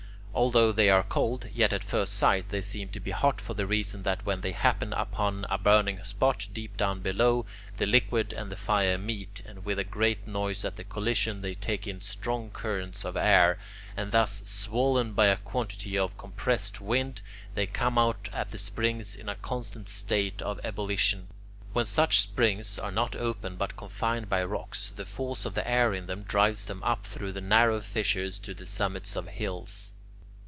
Although they are cold, yet at first sight they seem to be hot for the reason that when they happen upon a burning spot deep down below, the liquid and the fire meet, and with a great noise at the collision they take in strong currents of air, and thus, swollen by a quantity of compressed wind, they come out at the springs in a constant state of ebullition. When such springs are not open but confined by rocks, the force of the air in them drives them up through the narrow fissures to the summits of hills.